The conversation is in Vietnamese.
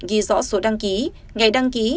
ghi rõ số đăng ký ngày đăng ký